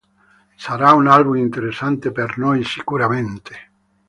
Sarà un album interessante per noi sicuramente".